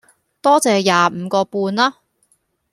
多謝廿五個半吖